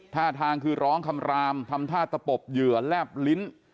ท่าทางคือร้องคำรามทำท่าตะปบเหยื่อแลบลิ้น